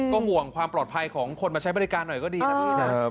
ห่วงความปลอดภัยของคนมาใช้บริการหน่อยก็ดีนะพี่นะ